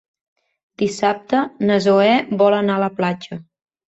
Dissabte na Zoè vol anar a la platja.